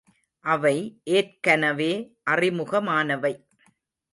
அவை ஏற்கனவே, அறிமுகமானவை.